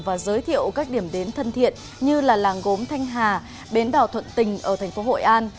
và giới thiệu các điểm đến thân thiện như là làng gốm thanh hà bến đào thuận tình ở thành phố hội an